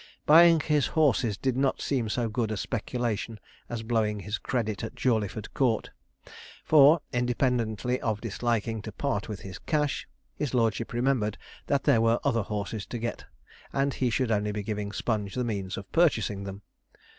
Buying his horses did not seem so good a speculation as blowing his credit at Jawleyford Court, for, independently of disliking to part with his cash, his lordship remembered that there were other horses to get, and he should only be giving Sponge the means of purchasing them.